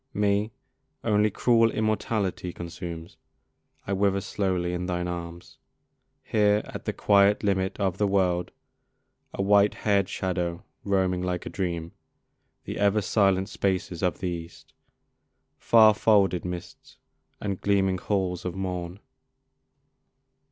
Me only cruel immortality Consumes: I wither slowly in thine arms, Here at the quiet limit of the world, A white hair'd shadow roaming like a dream The ever silent spaces of the East, Far folded mists, and gleaming halls of morn.